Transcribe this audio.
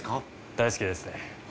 大好きですね。